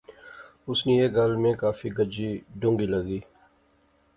اس نی ایہہ گل میں کافی گجی ڈونغی لغی